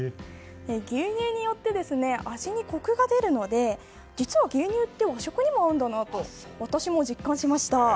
牛乳によって味にコクが出るので実は牛乳って和食にも合うんだなと私も実感しました。